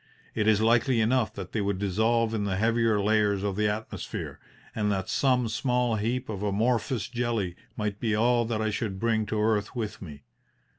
It is likely enough that they would dissolve in the heavier layers of the atmosphere, and that some small heap of amorphous jelly might be all that I should bring to earth with me.